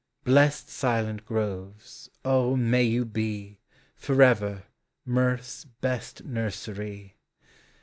Blest silent groves, O, may you be. Forever, mirth's best nursery!